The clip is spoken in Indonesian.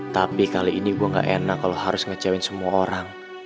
tapi kali ini gue gak enak kalau harus ngecewain semua orang